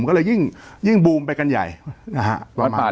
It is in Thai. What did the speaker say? ก็เลยยิ่งบูมไปกันใหญ่ประมาณนั้น